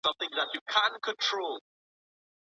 وترنري پوهنځۍ بې هدفه نه تعقیبیږي.